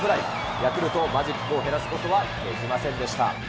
ヤクルト、マジックを減らすことはできませんでした。